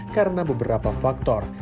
karena beberapa faktor